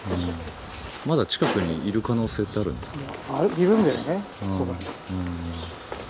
まだ近くにいる可能性ってあるんですか？